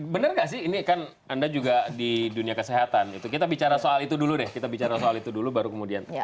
benar nggak sih ini kan anda juga di dunia kesehatan itu kita bicara soal itu dulu deh kita bicara soal itu dulu baru kemudian